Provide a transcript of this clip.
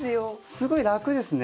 すごい楽ですね。